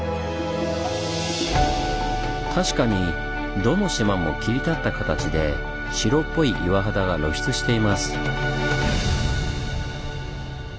確かにどの島も切り立った形で白っぽい岩肌が露出しています。